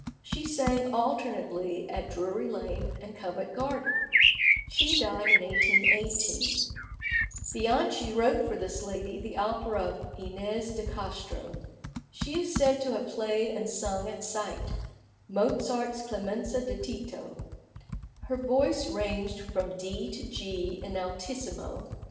In 1801 2 she sang alternately at Drury Lane and Covent Garden. She died in 1818. Bianchi wrote for this lady the opera of "Inez de Castro." She is said to have played and sung at sight Mozart's "Clemenza di Tito;" her voice ranged from D to G in altissimo.